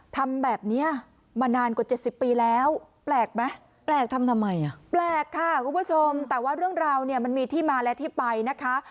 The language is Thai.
ทำแบบนี้มานานกว่า๗๐ปีแล้วแปลกไหมแปลกทำทำไมอ่ะแปลกค่ะคุณผู้ชมแต่ว่าเรื่องราวเนี่ยมันมีที่มาและที่ไปนะคะ